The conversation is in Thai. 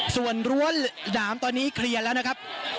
ส่วนรั้วหนามตอนนี้เคลียร์แล้วนะครับ